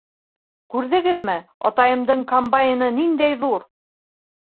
— Күрҙегеҙме, атайымдың комбайны ниндәй ҙур!